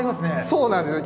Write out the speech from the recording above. そうなんですよ。